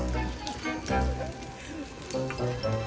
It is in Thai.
พก